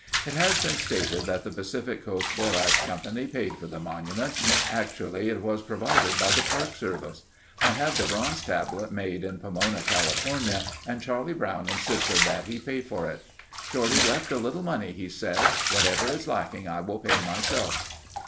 It has been stated that the Pacific Coast Borax Company paid for the monument. Actually it was provided by the Park Service. I had the bronze tablet made in Pomona, California, and Charlie Brown insisted that he pay for it. "Shorty left a little money," he said. "Whatever is lacking, I will pay myself."